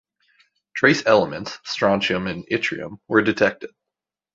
Trace elements, strontium and yttrium, were detected.